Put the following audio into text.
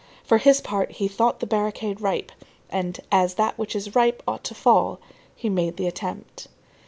For his part, he thought the barricade ripe, and as that which is ripe ought to fall, he made the attempt.